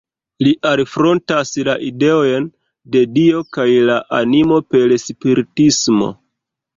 Li alfrontas la ideojn de Dio kaj la animo per spiritismo.